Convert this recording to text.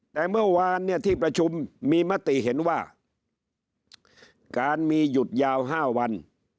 แต่เมื่อวานเนี่ยที่ประชุมมีมติเห็นว่าการมีหยุดยาว๕วัน